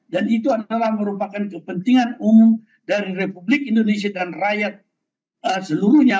dan itu adalah merupakan kepentingan umum dari republik indonesia dan rakyat seluruhnya